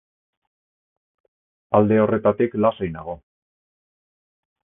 Alde horretatik lasai nago.